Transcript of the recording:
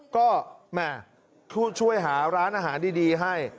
ก็แหม่ช่วยหาร้านอาหารดีให้